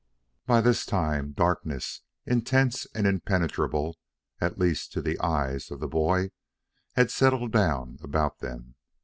By this time, darkness intense and impenetrable, at least to the eyes of the boy, had settled down about them.